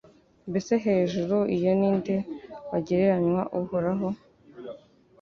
Mbese hejuru iyo ni nde wagereranywa n’Uhoraho?